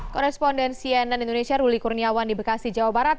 koresponden cnn indonesia ruli kurniawan di bekasi jawa barat